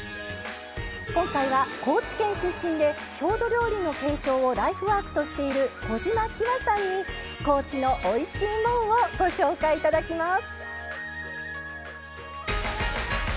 今回は、高知県出身で郷土料理の継承をライフワークとしている小島喜和さんに「高知のおいしいもん」をご紹介いただきます。